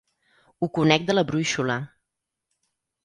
Ho conec de la brúixola.